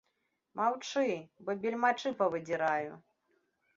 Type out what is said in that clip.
Маўчы, бо бельмачы павыдзіраю!!